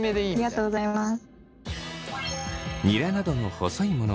ありがとうございます。